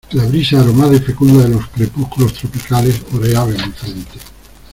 la brisa aromada y fecunda de los crepúsculos tropicales oreaba mi frente.